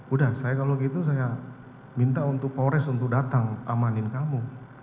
udah saya kalau gitu saya minta untuk polres untuk datang amanin kamu